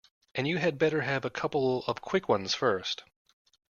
And you had better have a couple of quick ones first.